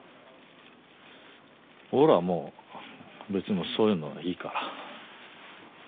俺らはもう別にもうそういうのはいいから。